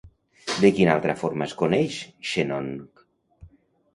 De quina altra forma es coneix Shennong?